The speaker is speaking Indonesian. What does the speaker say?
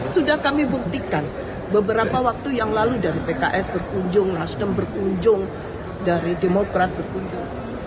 sudah kami buktikan beberapa waktu yang lalu dari pks berkunjung nasdem berkunjung dari demokrat berkunjung